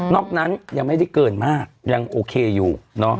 อกนั้นยังไม่ได้เกินมากยังโอเคอยู่